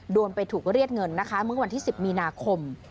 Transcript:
ไปถูกเรียกเงินนะคะเมื่อวันที่๑๐มีนาคม